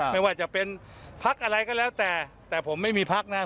อยากเป็นพลักษณ์อะไรก็แล้วแต่แต่ผมไม่มีพลักษณ์นะ